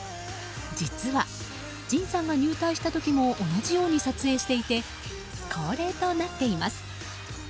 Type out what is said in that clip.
実は、ＪＩＮさんが入隊した時も同じように撮影していて恒例となっています。